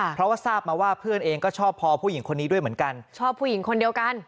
เพราะว่าทราบมาว่าเพื่อนเองก็ชอบพอผู้หญิงคนนี้ด้วยเหมือนกัน